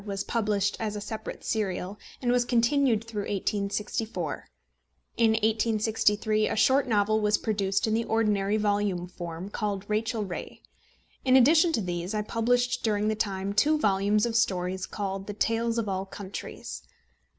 _ was published as a separate serial, and was continued through 1864. In 1863 a short novel was produced in the ordinary volume form, called Rachel Ray. In addition to these I published during the time two volumes of stories called The Tales of All Countries.